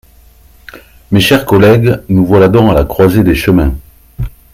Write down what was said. Mes chers collègues, nous voilà donc à la croisée des chemins.